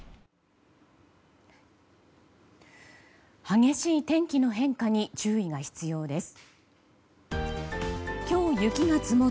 激しい天気の変化に注意が必要です。